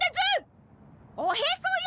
おへそよ！